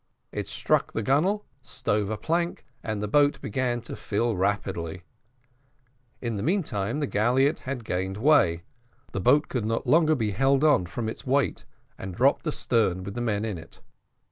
It struck the gunwale, stove a plank, and the boat began to fill rapidly; in the meantime the galliot had gained way the boat could not longer be held on, from its weight, and dropped astern with the men in it.